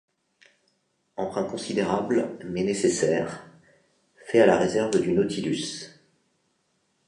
Emprunt considérable, mais nécessaire, fait à la réserve du Nautilus.